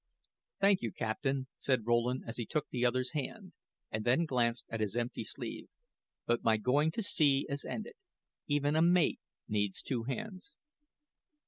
"Thank you, captain," said Rowland, as he took the other's hand and then glanced at his empty sleeve; "but my going to sea is ended. Even a mate needs two hands."